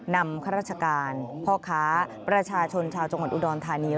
ข้าราชการพ่อค้าประชาชนชาวจังหวัดอุดรธานี